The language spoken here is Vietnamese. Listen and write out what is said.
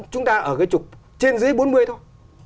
chúng ta ở cái trục trên dưới bốn mươi thôi